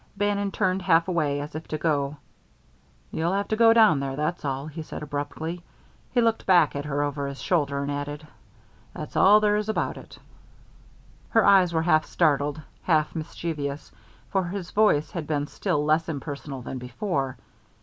Bannon turned half away, as if to go. "You'll have to go down there, that's all," he said abruptly. He looked back at her over his shoulder, and added, "That's all there is about it." Her eyes were half startled, half mischievous, for his voice had been still less impersonal than before.